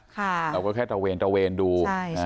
เราก็แค่ตระเวนตระเวนดู